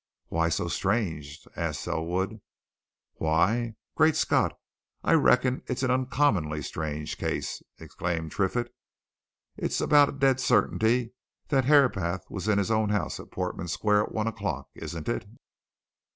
"Why so strange?" asked Selwood. "Why? Great Scott! I reckon it's an uncommonly strange case," exclaimed Triffitt. "It's about a dead certainty that Herapath was in his own house at Portman Square at one o'clock, isn't it?"